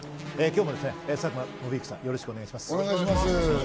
今日も佐久間宣行さん、よろしくお願いします。